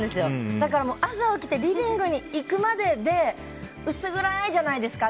だから朝起きてリビングに行くまでで薄暗いじゃないですか。